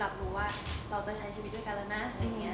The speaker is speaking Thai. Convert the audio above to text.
เราก็รู้สึกว่าแบบจริงเราก็ไม่ได้อยากไปโฟกัสเรื่องการแต่งขนาดนั้น